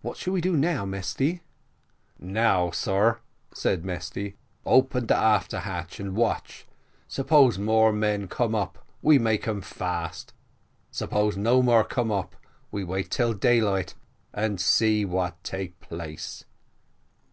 "What shall we do now, Mesty?" "Now, sar," said Mesty, "open the after hatch and watch suppose more men come up, we make them fass; suppose no more come up, we wait till daylight and see what take place."